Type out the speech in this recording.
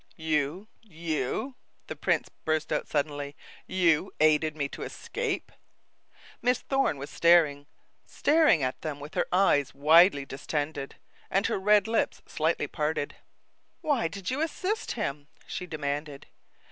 "You you !" the prince burst out suddenly. "You aided me to escape?" Miss Thorne was staring, staring at them with her eyes widely distended, and her red lips slightly parted. "Why did you assist him?" she demanded.